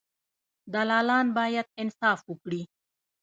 دلالان باید انصاف وکړي.